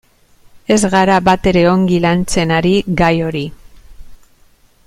Ez gara batere ongi lantzen ari gai hori.